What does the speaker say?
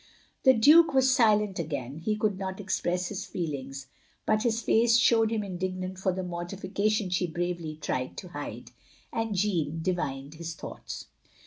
" The Duke was silent again. He could not express his feelings, but his face showed him indignant for the mortification she bravely tried to hide; and Jeanne divined his thoughts.